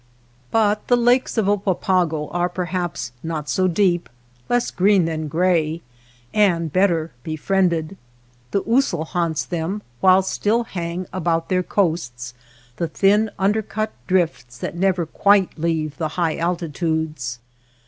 But the lakes of Oppapago are perhaps not so deep, less green than gray, and better befriended. The ousel haunts them, while still hang about their coasts the thin under cut drifts that never quite leave the high altitudes.